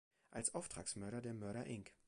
Als Auftragsmörder der Murder, Inc.